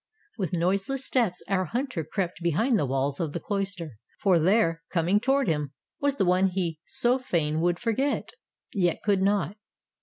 With noiseless steps our hunter crept behind the walls of the cloister, for there, coming toward him, was the one he so fain would forget, yet could not.